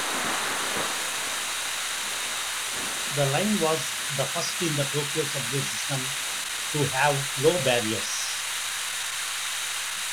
The line was the first in the Tokyo subway system to have low barriers.